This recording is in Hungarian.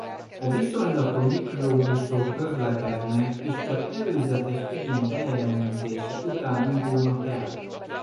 A viszonylaton mikrobuszok közlekednek és csak előzetes igény bejelentése után indulnak el.